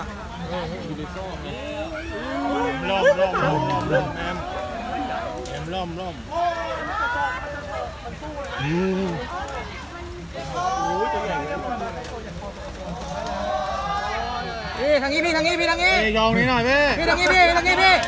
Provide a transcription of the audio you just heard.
ขอให้กลิ่นโซ่งจุ้ายนี่